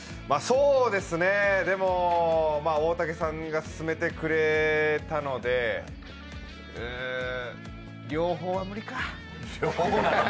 でも大竹さんが勧めてくれたので両方、無理か。